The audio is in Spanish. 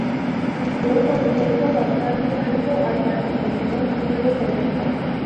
Siguió con esto bastante tiempo, hasta que terminó siendo solista.